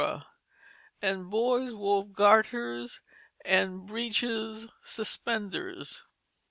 and boys wove garters and breeches suspenders.